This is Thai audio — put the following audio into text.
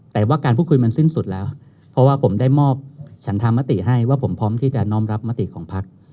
แต่ว่าการพูดคุยมันสิ้นสุดแล้วเพราะว่าผมได้มอบฉันธรรมติให้ว่าผมพร้อมที่จะน้อมรับมติของพัก